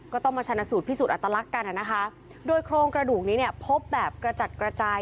ก็ต้องมาชนะสูตรพิสูจนอัตลักษณ์กันนะคะโดยโครงกระดูกนี้เนี่ยพบแบบกระจัดกระจาย